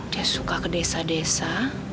dia suka ke desa desa